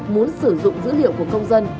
muốn sử dụng dữ liệu của công dân